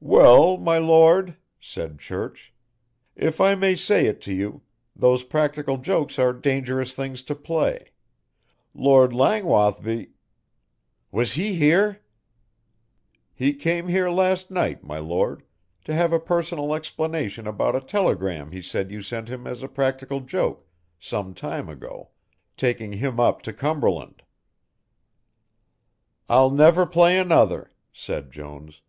"Well, my Lord," said Church, "if I may say it to you, those practical jokes are dangerous things to play Lord Langwathby " "Was he here?" "He came last night, my Lord, to have a personal explanation about a telegram he said you sent him as a practical joke, some time ago, taking him up to Cumberland." "I'll never play another," said Jones.